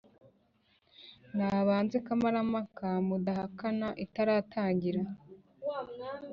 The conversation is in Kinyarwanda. Nabanze Kamarampaka, Mudahakana itaratangira